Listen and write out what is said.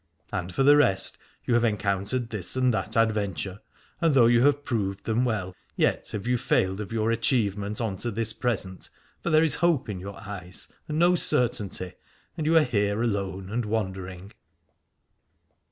And for the rest, you have encountered this and that adventure, and though you have proved them well, yet have you failed of your achievement unto this present, for there is hope in your eyes and no certainty, and you are here alone and wandering.